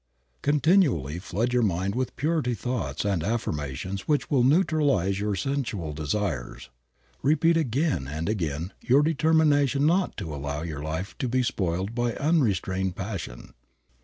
Continually flood your mind with purity thoughts and affirmations which will neutralize your sensual desires. Repeat again and again your determination not to allow your life to be spoiled by unrestrained passion.